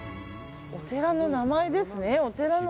お寺の名前ですね。